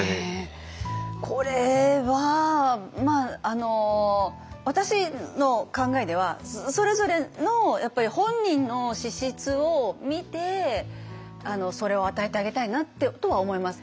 これは私の考えではそれぞれの本人の資質を見てそれを与えてあげたいなとは思います。